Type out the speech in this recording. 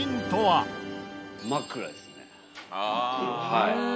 はい。